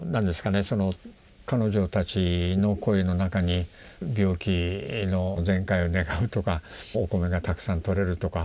その彼女たちの声の中に病気の全快を願うとかお米がたくさん取れるとか